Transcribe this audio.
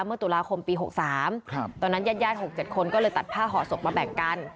เมื่อตุลาคมปี๖๓ตอนนั้นญาติ๖๗คนก็เลยตัดผ้าห่อศพมาแบ่งกัน